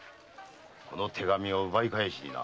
この手紙を奪い返しにな。